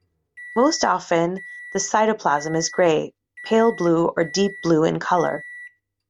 Most often, the cytoplasm is gray, pale blue, or deep blue in colour.